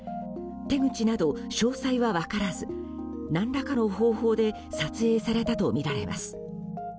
手口など詳細は分からず何らかの方法で撮影されたとみられます。